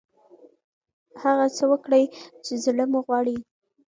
هغه څه وکړئ چې زړه مو غواړي.